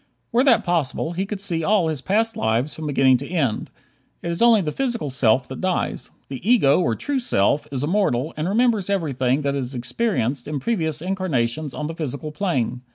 Were that possible, he could see all his past lives from beginning to end. It is only the physical self that dies; the ego, or true self, is immortal and remembers everything that it has experienced in previous incarnations on the physical plane.